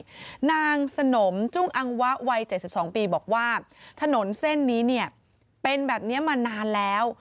นางสนมจุ้งอังวะวัย๗๒ปีบอกว่าถนนเส้นนี้เนี่ยเป็นแบบนี้มานานแล้ว